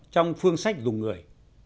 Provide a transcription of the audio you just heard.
trong phương sách dùng người